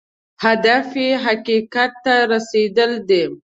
هدف یې حقیقت ته رسېدل دی.